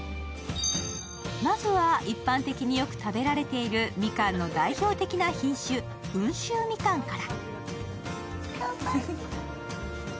まずは、一般的によく食べられているみかんの代表的な品種・温州みかんから。